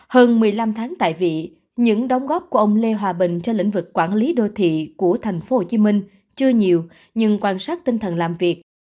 hơn một mươi năm tháng tại vị những đóng góp của ông lê hòa bình cho lĩnh vực quản lý đô thị của thành phố hồ chí minh chưa nhiều nhưng quan sát tinh thần làm việc